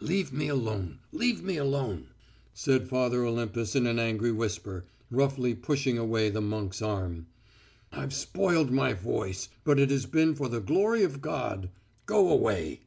"Leave me alone ... leave me alone," said Father Olympus in an angry whisper, roughly pushing away the monk's arm. "I've spoilt my voice, but it has been for the glory of God. Go away!..."